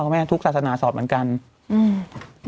แม่ทุกศาสนาสอบเหมือนกันอืม